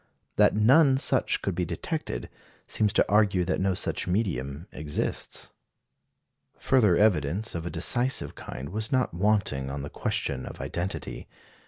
That none such could be detected seems to argue that no such medium exists. Further evidence of a decisive kind was not wanting on the question of identity.